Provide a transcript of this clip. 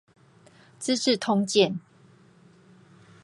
資治通鑑